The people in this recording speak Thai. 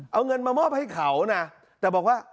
เอาเงินมามอบให้เขานะแต่บอกว่า